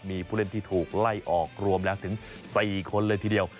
มีผู้เล่นที่ถูกไล่ออกรวมแล้วถึง๔คนเลยทีเดียว